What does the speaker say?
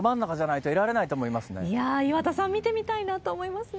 いやー、岩田さん、見てみたいなと思いますね。